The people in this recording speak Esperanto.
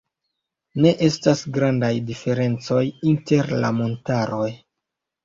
Ne estas grandaj diferencoj inter la monatoj.